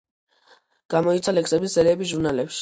გამოიცა ლექსების სერიები ჟურნალებში.